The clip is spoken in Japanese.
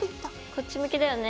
こっち向きだよね？